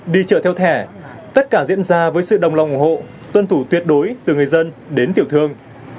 đi chợ theo thẻ tất cả diễn ra với sự đồng lòng ủng hộ tuân thủ tuyệt đối từ người dân đến tiểu thương